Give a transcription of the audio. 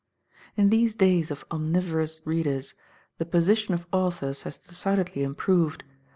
In these days of omnivorous readers, the position of authors has decidedly improved.